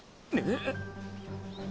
えっ？